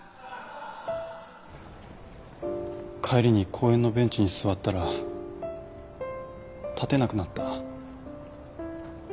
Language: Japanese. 帰りに公園のベンチに座ったら立てなくなった。